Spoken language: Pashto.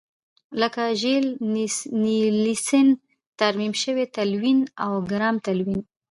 لکه د ژیل نیلسن ترمیم شوی تلوین او ګرام تلوین.